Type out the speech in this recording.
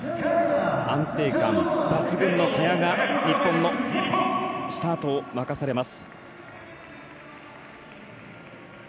安定感抜群の萱が日本のスタートを任されます。